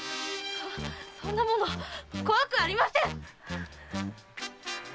そんなもの怖くありません！